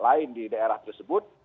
lain di daerah tersebut